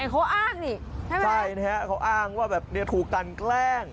เขาอ้างนี่ใช่ไหมใช่นะฮะเขาอ้างว่าแบบนี้ถูกกันแกล้ง